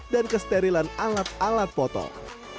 dan kesterilan alat alat potong